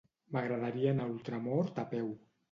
M'agradaria anar a Ultramort a peu.